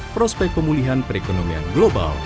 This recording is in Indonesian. prospek pemulihan perekonomian global